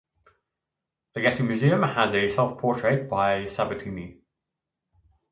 The Getty Museum has a self-portrait by Sabatini.